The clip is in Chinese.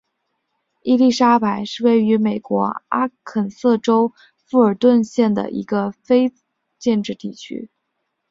伊莉莎白是位于美国阿肯色州富尔顿县的一个非建制地区。